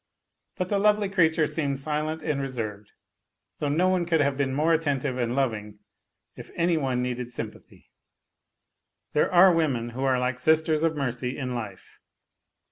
But the lovely creature seemed silent and reserved, though no one could have been more attentive and loving if any one needed sympathy. There are women who are like sisters of mercy in life.